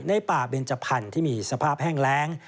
ในป่าเบนจพันธุ์ที่มีสภาพแห้งแรง